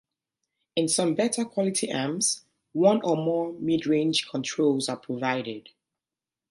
In some better quality amps, one or more midrange controls are provided.